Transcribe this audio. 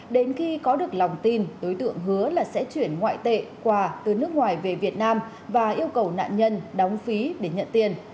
đến khi có được lòng tin đối tượng hứa là sẽ chuyển ngoại tệ quà từ nước ngoài về việt nam và yêu cầu nạn nhân đóng phí để nhận tiền